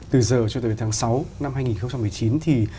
từ giờ cho tới tháng sáu năm hai nghìn một mươi chín